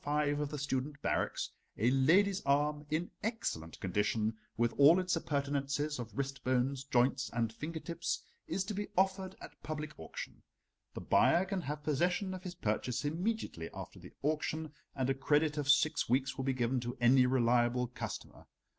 5 of the student barracks, a lady's arm in excellent condition, with all its appurtenances of wrist bones, joints, and finger tips, is to be offered at public auction. The buyer can have possession of his purchase immediately after the auction, and a credit of six weeks will be given to any reliable customer.